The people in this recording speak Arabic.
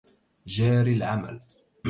جاري العمل.